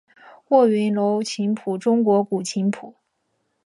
卧云楼琴谱中国古琴谱。